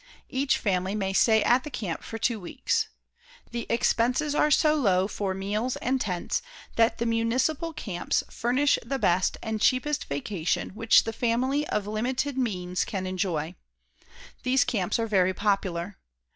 Each family may stay at the camp for two weeks. The expenses are so low for meals and tents that the municipal camps furnish the best and cheapest vacation which the family of limited means can enjoy. These camps are very popular.